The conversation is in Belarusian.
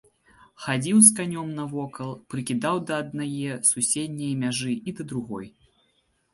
Хадзіў з канём навокал, прыкідаў да аднае, суседняе мяжы і да другой.